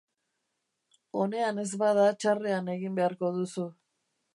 Onean ez bada txarrean egin beharko duzu.